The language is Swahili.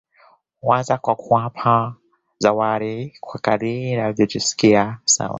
Huanza kwa kuwapa zawadi kwa kadri anavyojisikia sawa